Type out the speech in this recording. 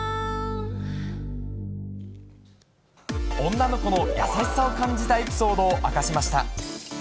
女の子の優しさを感じたエピソードを明かしました。